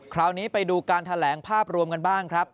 คราวนี้ไปดูการแถลงภาพรวมกันบ้างครับ